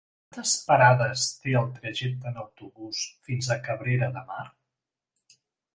Quantes parades té el trajecte en autobús fins a Cabrera de Mar?